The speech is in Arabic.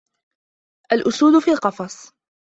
الأُسود في القفص.